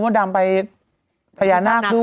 โมดดำไปพญานาคท์